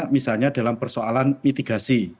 misalnya dalam persoalan mitigasi